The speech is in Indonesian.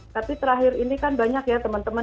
tapi terakhir ini kan banyak ya teman teman